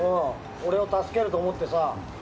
俺を助けると思ってさ。